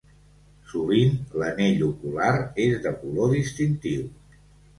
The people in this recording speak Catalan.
Sovint l'anell ocular és de color distintiu.